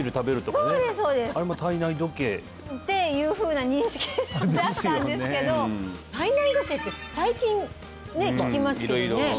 そうですそうですあれも体内時計？っていうふうな認識であったんですけど体内時計って最近ね聞きますけどね